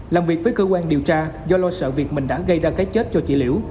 làm việc với cơ quan điều tra do lo sợ việc mình đã gây ra cái chết cho chị liễu